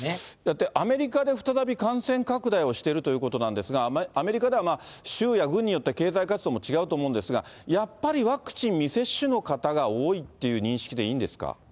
アメリカで再び感染拡大をしてるということなんですが、アメリカでは州や郡によって経済活動も違うと思うんですが、やっぱりワクチン未接種の方が多いという認識でいいんですか。